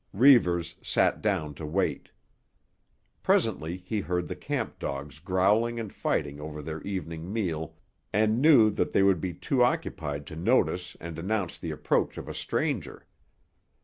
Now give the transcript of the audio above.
Reivers sat down to wait. Presently he heard the camp dogs growling and fighting over their evening meal and knew that they would be too occupied to notice and announce the approach of a stranger.